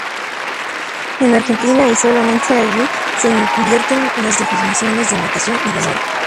En Argentina y solamente allí se invierten las definiciones de marcación y demora.